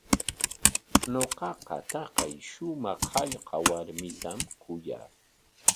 Ñuqaqa taqay shumaq hallqa warmitam kuyaa.